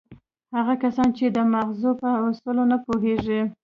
هغه کسان چې د ماغزو په اصولو نه پوهېږي.